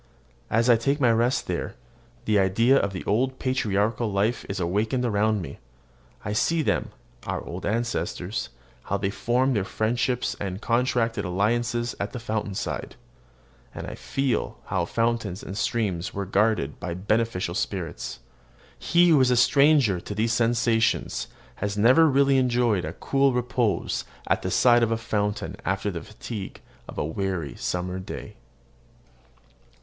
As I take my rest there, the idea of the old patriarchal life is awakened around me. I see them, our old ancestors, how they formed their friendships and contracted alliances at the fountain side; and I feel how fountains and streams were guarded by beneficent spirits. He who is a stranger to these sensations has never really enjoyed cool repose at the side of a fountain after the fatigue of a weary summer day.